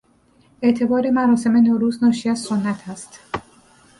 اعتبار مراسم نوروز ناشی از سنت است.